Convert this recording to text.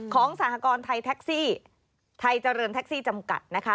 สหกรณ์ไทยแท็กซี่ไทยเจริญแท็กซี่จำกัดนะคะ